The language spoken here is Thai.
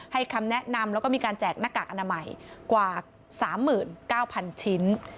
คำแนะนำแล้วก็มีการแจกหน้ากากอนามัยกว่า๓๙๐๐ชิ้น